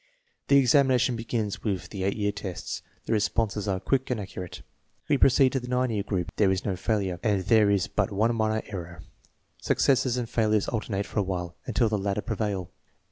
The examination begins with the 8 year tests. The responses are quick and accurate. We proceed to the 9 year group. There is no failure, and there is but one minor error. Successes and failures alternate for a while until the latter prevail.